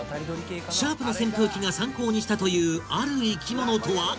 シャープの扇風機が参考にしたというある生き物とは？